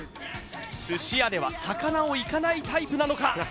寿司屋では魚をいかないタイプなのか？